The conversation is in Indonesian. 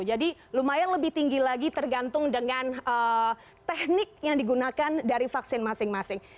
jadi lumayan lebih tinggi lagi tergantung dengan teknik yang digunakan dari vaksin masing masing